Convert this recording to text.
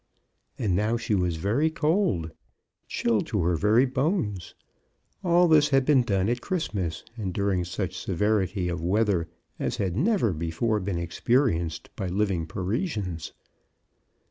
And now she was very cold — chilled to her very bones. All this had been done at Christ mas, and during such severity of weather as had never before been experienced by living Parisians.